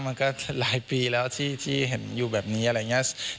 มันก็หลายปีแล้วที่เห็นอยู่แบบนี้อะไรอย่างนี้